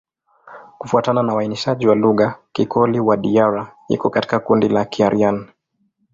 Kufuatana na uainishaji wa lugha, Kikoli-Wadiyara iko katika kundi la Kiaryan.